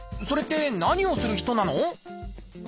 それって何をする人なの？